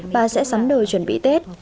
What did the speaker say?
ba sẽ sắm đồ chuẩn bị tết